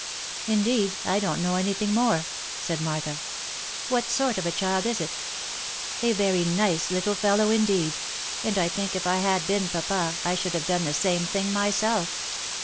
" Indeed I don't know any thing more," said Martha. " What sort of a child is it?" * i A very nice little fellow indeed, and I think if I had been papa I should have done the same thing myself."